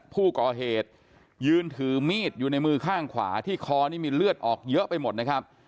ผู้ก่อเหตุยืนถือมีดอยู่ในมือข้างขวาที่คอนี่มีเลือดออกเยอะไปหมดนะครับ